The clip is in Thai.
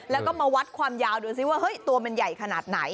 แล้วก็มาวัดความยาวดูซิว่าเฮ้ยตัวมันใหญ่ขนาดไหน